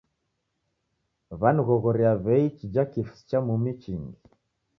Wanighoghoria w'ei chija kifu si cha mumi chingi.